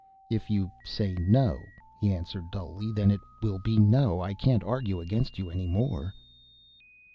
"If you say no," he answered dully, "then it will be no. I can't argue against you any more."